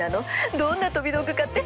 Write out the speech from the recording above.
どんな飛び道具かって？